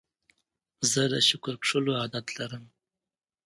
زه د شکر کښلو عادت لرم.